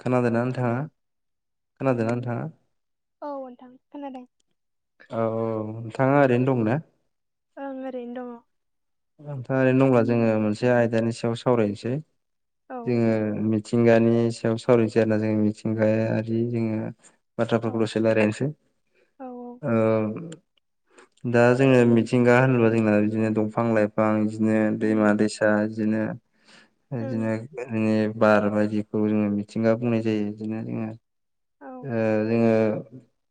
खोनादोंना हेलौ नोंथाङा? खोनादोंना नोंथाङा? औ ओनथां खोनादों। औ औ नोंथाङा ओरैनो दं ना? ओं ओरैनो दङ। ओनथांआ ओरैनो दंब्ला जोङो मोनसे आयदानि सायाव सावरायनोसै दङ औ जोङो मि मिथिंगानि सायाव सावरायसै आरोना जों मिथिंगायारि जोङो बाथ्राफोरफोरखौल'सेल आरनोसै औ आ दा जोङो मिथिंगा होनोबा जोंना बिदिनो दंफां लाइफां बिदिनो उम दैमा दैसा दा इदिनो उम इदिनो गोद बार बायदिखौ जोङो मिथिंगा बुंनाय जायो इदिनो जोङो औ ओ जोङो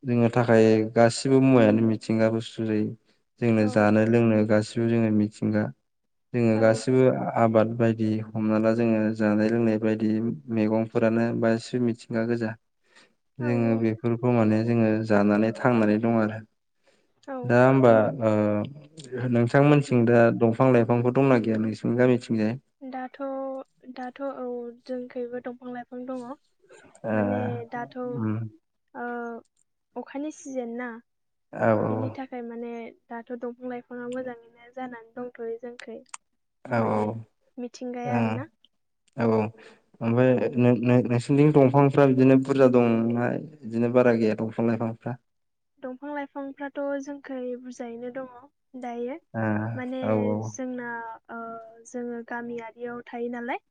जोंनो थाखाय गासिबो मुवायानो मिथिंगाखौ सुफुं जायो। औ जोंनो जानो लोंनो गासिबो जोङो मिथिंगा जोङो औ गासिबो आ आबाद बायदि हमना ला जोङो जानाय लोंनाय बायदि मैगंफोरानो बांसिन मिथिंगा गोजा। औ जोङो बेफोरखौ माने जोङो जानानै थांनानै दं आरो औ दा होमबा ओ उम नोंथांमोनथिं दा दंफां लाइफांफोर दंना गैया नोंसिनि गामिथिंजाय? दाथ'-दाथ' औ जोंखैबो दंफां लाइफां दङ'। ओ माने दाथ' उम ओ अखानि सिजेन ना? औ। बिनि थाखाय माने दाथ' दंफां लाइफाङा मोजाङैनो जानानै दंथ'यो जोंखै। औ माने औ मिथिंगाया ओं आरो ना। औ औ ओमफ्राय नो नो नोंसि निथिं दंफांफ्रा बिदिनो बुरजा दंना बिदिनो बारा गैया दंफां लाइफांफ्रा? दंफां लाइफांफ्राथ' जोंखै बुरजायैनो दङ' दायो। आ माने औ जोंना ओ जोङो गामियारियाव थायो नालाय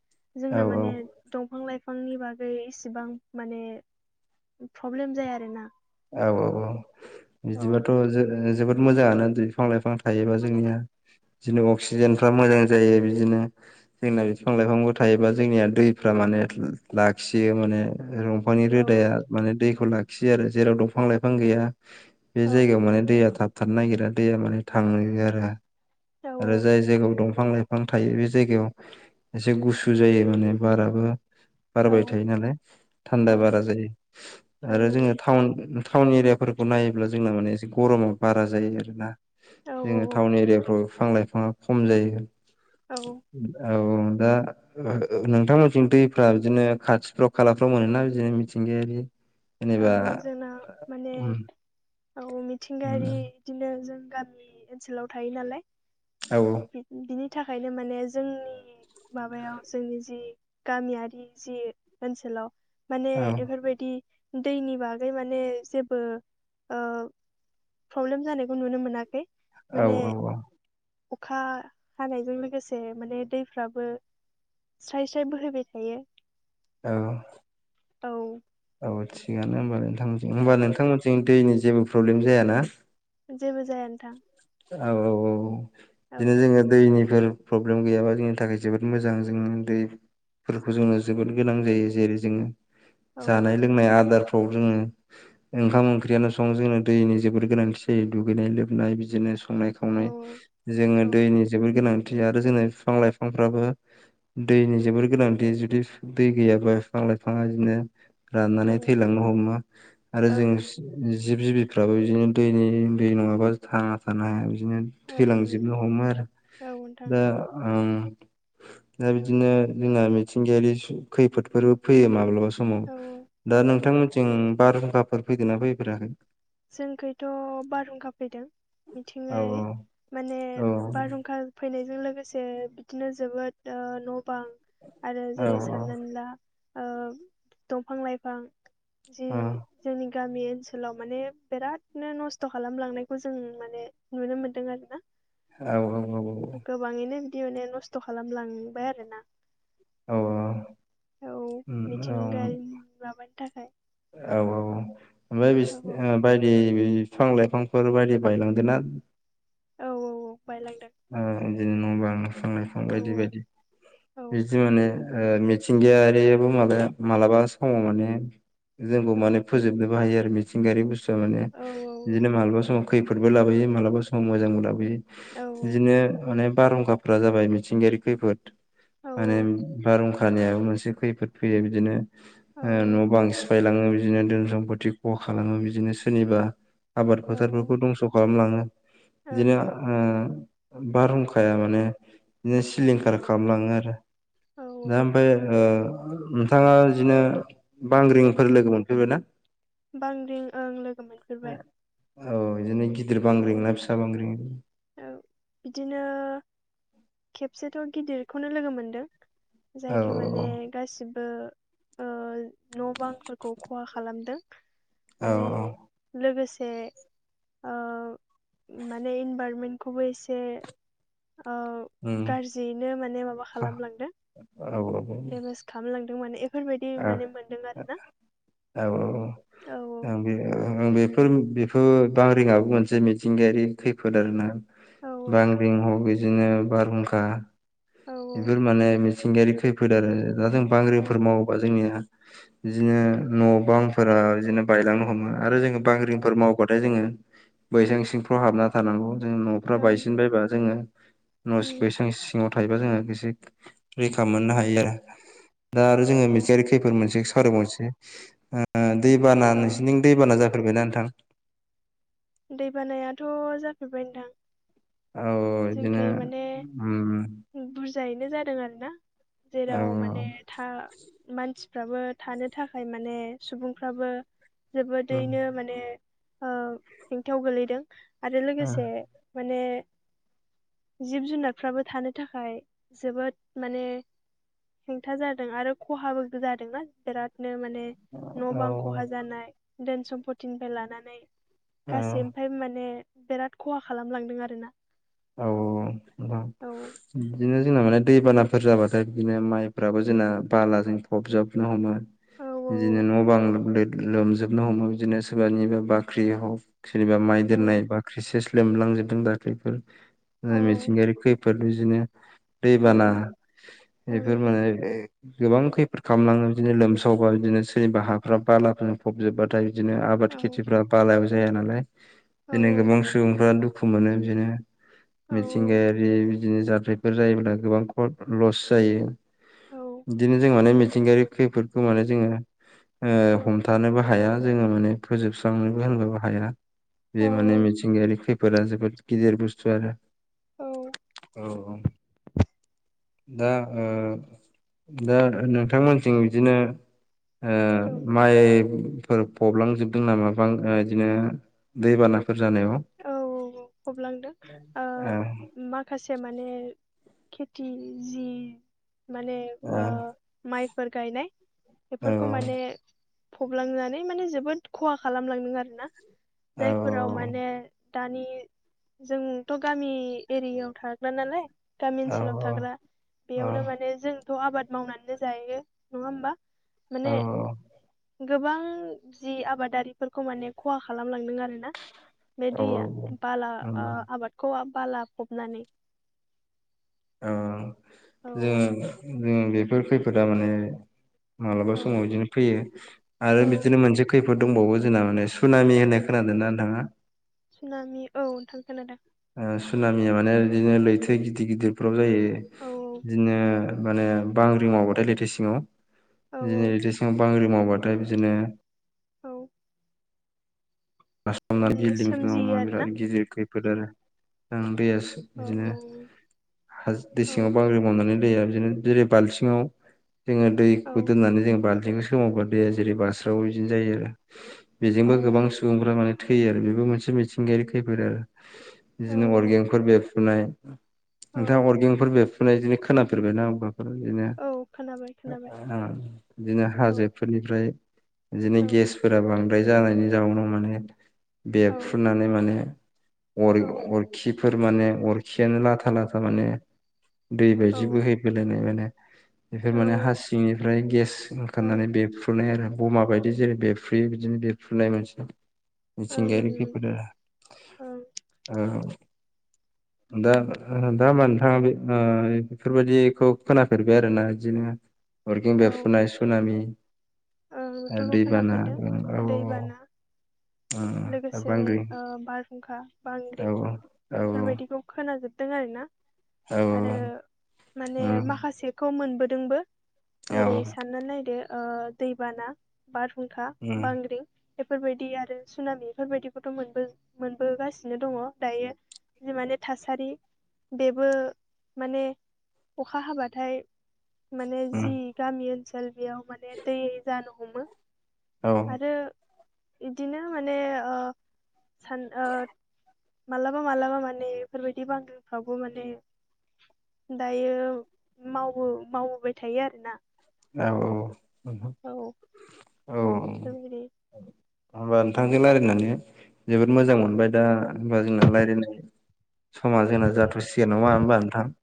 औ जोंना माने दंफां लाइफांनि बागै इसेबां माने प्रब्लेम जाया आरोना। औ। औ औ औ बिदिबाथ' जो-जोबोद मोजाङानो होनजायो बिफां लाइफां थायोबा जोंनिया। दिनो अक्सिजेनफ्रा मोजां जायो बिदिनो। जोंना बिफां लाइफांबो थायोबा जोंनिया दैफ्रा माने लाखियो माने रु फांनि औ रोदाया माने दैखौ लाखियो आरो जेराव दंफां लाइफां गैया। बे औ जायगायाव माने दैया थाबथानो नागिरा दैया माने थाङो आरो। औ आरो जाय जायगायाव दंफां लाइफां थायो बे जायगायाव एसे गुसु जायो माने बाराबो बारबाय औ थायो नालाय औ थान्दा ओं बारा जायो औ आरो जोङो टाउन टाउन एरियाफोरखौ नायोब्ला जोंना माने एसे गरमा बारा जायो आरोना। औ जोङो टाउन एरियाफ्राव बिफां लाइफाङा खम जायो। औ औ औ दा ओ ओ नोंथांमोनथिं दै फ्रा बिदिनो खाथिफ्राव खालाफ्राव मोनोना बिदिनो मिथिंगायारि। ओ जेनेबा जोंना माने उम औ उम मिथिंगायारि बिदिनो जों गामि ओनसोलाव थायो नालाय। औ औ। बिनि थाखायनो माने जोंनि माबायाव जोंनि जि गामियारि जि ओनसोलाव। माने औ इफोरबायदि दैनि बागै माने जेबो ओ प्रब्लेम जानायखौ नुनो मोनाखै औ माने औ औ अखा हानायजों लोगोसे माने दैफ्राबो स्राय स्राय बोहैबाय थायो। औ। औ। औ थिगानो होमबा नोंथांमोनथिं। होमबा औ नोंथांमोनथिं दैनि जेबो प्रब्लेम जायाना? जेबो जाया नोंथां। औ औ औ। औ बिदिनो जोङो दैनिफोर प्रब्लेम गैयाबा जोंनि थाखाय जोबोद मोजां। जों दै फोरखौ जोंङो जोबोद गोनां जायो। जेरै जोङो औ जानाय लोंनाय आदारफ्राव जोङो ओंखाम ओंख्रियानो सं जोंनो दैनि जोबोर गोनांथि जायो दुगैनाय लोबनाय बिदिनो, संनाय खावनाय औ जोङो औ दैनि जोबोद गोनांथि। आरो जोंनि बिफां लाइफांफ्राबो दैनि जोबोर गोनांथि। जुदि दै गैयाबा बिफां लाइफाङा इदिनो राननानै थैलांनो हमो आरो जों ओं सि जिब जिबिफ्राबो बिदिनो दैनि दै नङाबा थांना थानो हाया बिदिनो। ओं थैलांजोबनो हमो आरो। औ नोंथां दा ओं दा बिदिनो जोंना मिथिंगायारि खैफोदफोरबो फैयो माब्लाबा समाव औ दा औ नोंथांमोनथिं बारहुंखाफोर फैदों ना फैफेराखै? जोंखैथ' बारहुंखा फैदों औ मिथिंगायारि माने औ बारहुंखा फैनायजों लोगोसे बिदिनो जोबोद न' बां आरो औ जेरै साननानै ला दंफां लाइफां जि औ जोंनि गामि ओनसोलाव माने बिरादनो नस्थ' खालामलांनायखौ जों माने नुनो मोनदों आरो ना। औ औ औ औ। गोबाङैनो बिदि माने नस्थ' खालामलांबाय आरो ना। औ औ औ उम औ मिथिंगानि माबानि थाखाय। औ औ ओमफ्राय बिस औ बायदि बिफां लाइफांफोर बायदि बायलांदों ना? औ औ औ बायलांदों। उम बिदिनो न' बां बिफां लाइफां औ बायदि बायदि औ बिदि माने मिथिंगायारियाबो माबा मालाबा समाव माने जोंबो औ माने फोजोबनोबो हायो आरो मिथिंगायारि बुस्थुआ माने औ बिदिनो मालाबा समाव। खैफोदबो लाबोयो मालाबा समाव मोजांबो लाबोयो औ बिदिनो माने बारहुंखा फ्रा जाबाय मिथिंगायारि खैफोद माने बारहुंखा निआबो मोनसे खैफोद फैयो बिदिनो औ न' बां सिफाय बायलाङो बिदिनो धोन सम्फित खहा खालामो बिदिनो सोरनिबा आबाद ओं फोथारफोरखौ दंस' खालामलाङो बिदिनो ओ बारहुंखाया माने बिदिनो औ सिलिंखार खालामलाङो आरो। औ दा ओमफ्राय ओ नोंथाङा बिदिनो बांग्रिंफोर ओं लोगो मोनफेरबायना? बांग्रिं ओं लोगो मोनफेरबाय औ बिदिनो गिदिर औ बांग्रिं ना फिसा बांग्रिं? बिदिनो खेबसेथ' गिदिरखौनो लोगो मोनदों। औ जायखो माने गासिबो ओ न' बांफोरखौ खहा खालामदों। औ माने औ लोगोसे ओ माने इनभार मेन्टखौबो एसे उम गाज्रियैनो माने माबा हा, खालामलांदों। औ औ देमेस खालामलांदों माने बेफोरबायदि माने औ मोनदों आरो ना औ औ। ओम बेफोर बेफोर बांग्रिंआबो मोनसे मिथिंगायारि खैफोद आरो ना। औ बांग्रिं हबिदिनो बारहुंखा औ बेफोर माने मिथिंगायारि खैफोद आरो दा जों ओं बांग्रिंफोर मावो जोंनि बिदिनो न' बांफोरा बिदिनो बायलांनो हमो आरो जों ओं बांग्रिंफोर मावबाथाय जोङो बैसां सिंफ्राव हाबनानै थारनांगौ जों न'फ्रा ओं बायसिन बायबा जोङो न' उम बैसां न'आव थायोबा जोङो एसे रैखा मोननो हायो आरो दा आरो औ जोङो मिथिंगायारि खैफोद मोनसे सावरायबावनोसै ओ दैबाना औ नोंसिनिथिं दैबाना जाफेरबायना नोंथां? दै बानायाथ' जाफेरबाय नोंथां। औ बिदिनो जोंखोय माने उम बुरजायैनो जादों आरोना औ जेराव माने था मानसिफ्राबो थानो थाखाय माने सुबुंफ्राबो जोबोदैनो माने ओ हेंथाव गोलैदों आरो लोगोसे माने जिब जुनारफ्राबो थानो थाखाय जोबोद माने हेंथा जादों आरो खहाबो जादोंना बिरादनो माने। न' बां खहा औ जानाय धोन सम्फतिनिफ्राय लानानै। गासै औ ओमफ्राय माने बिराद खहा खालामलांदों आरोना। औ औ बिदिनो जोंना माने दैबानाफोर जाबाथाय बिदिनो माइफ्राबो जोंना बालाजों फबजबनो हमो। औ बिदिनो न' बां लोमजोबनो हमो बिदिनो सोरबानिबा बाख्रि हक सोरनिबा माइ औ दोन्नाय बाख्रिसेस लोमलांजोबदों दाख्लैफोर औ मिथिंगायारि खैफो बेफोर बिदिनो दैबाना ओम बेफोर ओम माने गोबां खैफोद खालामलाङो बिदिनो लोमसावबा बिदिनो सोरनिबा हाफ बालाफोरजों फबजोबबा नाथाय बिदिनो आबाद ओं खेथिफ्रा बालायाबो जाया नालाय औ बिदिनो गोबां सुबुंफ्रा दुखु खु मोनो बिदिनो। औ मिथिंगायारि बिदिनो जाथायफोर जायोब्ला गोबां लस जायो। औ बिदिनो जों माने मिथिंगायारि खैफोदखौ माने जोङो ओ हमथानोबो हाया जोङो माने फोजोबस्रांनोबो होनबाबो हाया। बे माने मिथिंगायारि खैफोा जोफोर गिदिर बुस्थु आरो। औ [inaudible] औ [inaudible] दा ओ दा नोंथांमोनजों बिदिनो ओ औ माइ फोर फबलांजोबदों नामा बां ओ इदिनो दैबानाफोर जानायाव? औ औ फबलांदों ओ माखासे माने खेथि जि माने ओ माइफोर गायनाय बेफोरखौ ओ माने फबलांनानै माने जोबोद खहा खालामलांदों आरोना। औ जायफोराव माने दानि जोंथ' गामि एरियायाव थाग्रा नालाय गामि औ ओनसोलाव थाग्रा। औ बेयावनो माने जों थ' आबाद मावनानैनो जायो नङा होमबा। औ माने गोबां जि आबादारिफोरखौ माने खहा खालामलांदों आरोना। बे औ दैया बाला ओ उम आबादखौ बाला फबनानै। ओ औ जोङो जों बेफोर खैफोदा माने ओ मालाबा औ समाव बिदिनो फैयो आरो औ बिदिनो मोनसे खैफोद फोर दंबावो जोंना मान सुनामि होननाय खोनादों ना नोंथाङा? सुनामि औ नोंथां खोनादों। ओ सुनामिया माने बिदिनो लैथो गिदिर गिदिर बेफोराव जायो। औ बिदिनो माने बांग्रिं मावबाथाय लैथो सिङाव। औ बिदिनो औ लैथो सिङाव बांग्रि मावबाथाय बिदिनो औ। पास्टावना माने बिल्डिं मा सोमजियो आरोना बिराद गिदिर खैफोद आरो आ दैया औ बिदिनो ह दै औ सिंआव बांग्रि मावनानै दैया बिदिनो जेरै बालथिङाव जोङो औ दैखौ दोननानै जोङ बाल्थिंखौ सोमावोबा दैया जेरै बारस्रावो बिदिनो जायो आरो। औ बेजोंबो गोबां सुबुंफ्रा माने थैयो आरो। बेबो मोनसे मिथिंगायारि खैफोद आरो। औ बिदिनो औ अर्गेंफोर बेरफुनाय औ नोंथाङा अर्गेंफोर बेरफुनाय बिदिनो खोनाफेरबाय ना होमबा? बिदिनो औ खोनाबाय [inaudible] खोनाबाय ओ बिदिनो औ हाजोफोरनिफ्राय बिदिनो औ गेसफोरा बांद्राय जानायनि जाउनाव माने औ बेरफ्रुनानै माने अर औ अरखि फोर माने अरखियानो लाथा लाथा माने दै औ बायदि बोहैबोलायनाय माने बेफोर माने औ हासिंनिफ्राय गेस औ ओंखारनानै बेफ्रुनाय आरो। बमा बायदि जेरै बेफ्रुयो बिदिनो बेु फुनाय मोनसे। औ मिथिंगायारि ओं खैफोदा ओं [inaudible] औ [inaudible] दा ओ दा होमबा नोंथाङा बे ओ बेफोरबायदिखौ खोनाफेरबाय आरोना बिदिनो। अरगें बे औ फुनाय सुनामि ओं [inaudible] ओ बेफोरखौ दैबाना खोनाफेरदों औ। दैबाना औ लोगोसे बांग्रि ओ बारहुंखा, बांग्रि औ औ औ बेफोरबायदिखौ खोनाजोबदों आरोना आरो माने माखासे खौ मोनबोदोंबो औ जेरै साननानै नायदो ओ दैबाना बारहुंखा बांग्रिं बेफोरबायदि आरो सनाामि बेफोरबायदिखौथ' मोनबो मोनबोगासिनो दङ। दायो जि माने थासारि बेबो माने अखा हाबाथाय माने जि गामि ओनसोल बेयाव माने दै जानो हमो। औ औ आरो इदिनो माने ओ सान ओ मालाबा मालाबा माने बेफोरबायदि बांग्रिंफ्रावबो माने दायो मावबो मावबोबाय थायो आरोना। औ औ [inaudible] औ। बेफोरबायदि होमबा नोंथांजों रायलायनानै जोबोद मोजां मोनबाय दा होनबा जोंना रायलायनाय समा जोंना जाथ'सिगो नङा होनोमबा नोंथां?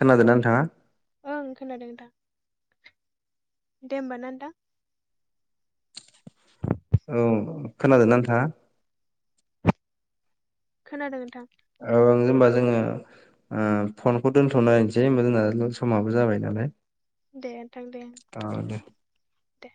खोनादोंना नोंथाङा? ओं खोनादों नोंथां। दे होमबा ना नोंथां औ खोनादोंना नोंथा? खोनादों नोंथां ओ जेनबा जोङो फनखौ दोन्थ'लायनोसै होनबा जोंना समाबो जाबाय नालाय। दे नोंथां दे औ दो दे